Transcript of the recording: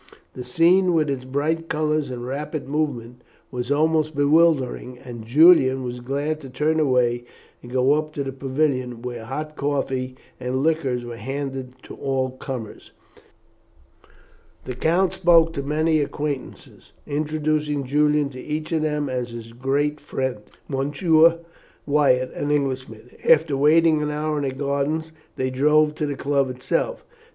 The scene, with its bright colours and rapid movement, was almost bewildering, and Julian was glad to turn away and go up to the pavilion, where hot coffee and liquors were handed to all comers. The count spoke to many acquaintances, introducing Julian to each of them as his great friend, Monsieur Wyatt, an Englishman. After waiting an hour in the gardens they drove to the club itself.